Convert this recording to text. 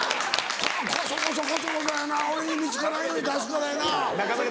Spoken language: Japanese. こそこそこそこそやな俺に見つからんように出すからやな。